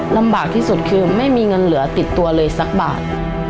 ลำบากที่สุดคือไม่มีเงินเหลือติดตัวเลยสักบาท